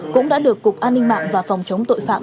cũng đã được cục an ninh mạng và phòng chống tội phạm